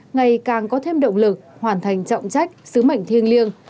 ngày càng có thêm động lực hoàn thành trọng trách sứ mệnh thiêng liêng